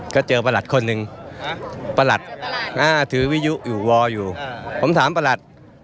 ก็เจอประหลัดคนหนึ่งประหลัดถือวิยุอยู่วออยู่ผมถามประหลัด